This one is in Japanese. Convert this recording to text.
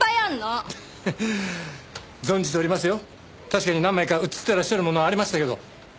確かに何枚か写ってらっしゃるものありましたけど。